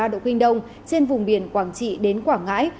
một trăm linh chín ba độ kinh đông trên vùng biển quảng trị đến quảng ngãi